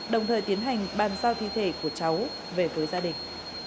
đồng thời tiến hành bàn giao thi thể của cháu về với gia đình